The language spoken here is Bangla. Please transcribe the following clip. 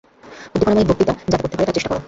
উদ্দীপনাময়ী বক্তৃতা যাতে করতে পার, তার চেষ্টা কর।